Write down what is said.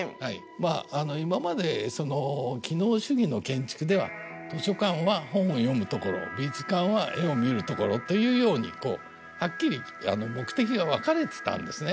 まあ今までその機能主義の建築では図書館は本を読む所美術館は絵を見る所というようにこうはっきり目的が分かれてたんですね。